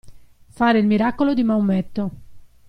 Fare il miracolo di Maometto.